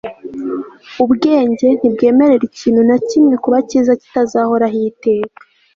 ubwenge ntibwemerera ikintu na kimwe kuba cyiza kitazahoraho iteka